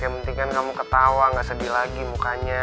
yang penting kan kamu ketawa gak sedih lagi mukanya